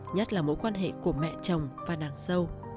nhất là mối quan hệ của mẹ chồng và đằng dâu